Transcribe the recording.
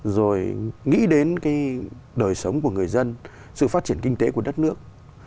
rồi nghĩ đến cái đời sống của người dân sự phát triển kinh tế của đất nước